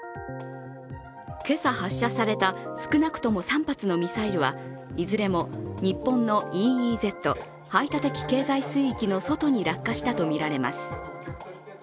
今朝、発射された少なくとも３発のミサイルはいずれも日本のＥＥＺ＝排他的経済水域の外に落下したとみられます。